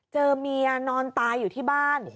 เจอเมียนอนตายอยู่ที่บ้าน